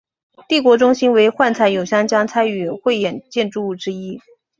帝国中心为幻彩咏香江参与汇演建筑物之一。